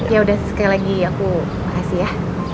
yaudah sekali lagi aku terima kasih ya